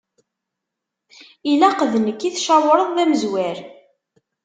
Ilaq d nekk i tcawṛeḍ d amezwar.